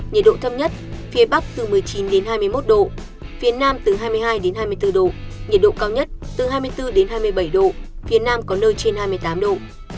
nhiệt độ thấp nhất phía bắc từ một mươi chín đến hai mươi một độ phía nam từ hai mươi hai đến hai mươi bốn độ nhiệt độ cao nhất từ hai mươi bốn hai mươi bảy độ phía nam có nơi trên hai mươi tám độ